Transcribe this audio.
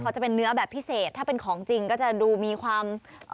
เขาจะเป็นเนื้อแบบพิเศษถ้าเป็นของจริงก็จะดูมีความ